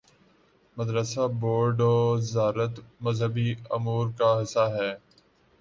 مدرسہ بورڈوزارت مذہبی امور کا حصہ ہے۔